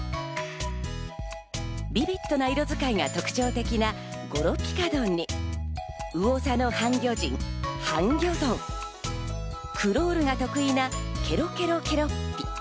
ビビッドな色使いが特徴的なゴロピカドンにうお座の半魚人、ハンギョドン、クロールが得意な、けろけろけろっぴ。